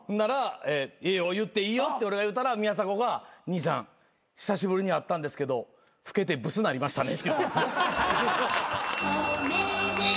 「ええよ言っていいよ」って俺が言うたら宮迫が「兄さん久しぶりに会ったんですけど老けてブスなりましたね」って言ったんですよ。